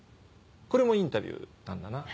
これもインタビューなんだな。